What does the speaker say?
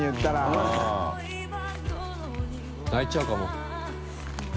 泣いちゃうかも。